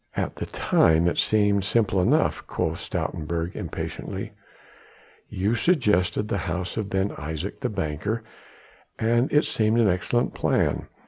"At the time it seemed simple enough," quoth Stoutenburg impatiently, "you suggested the house of Ben Isaje the banker and it seemed an excellent plan.